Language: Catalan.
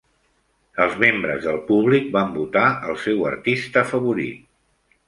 Els membres del públic van votar el seu artista favorit.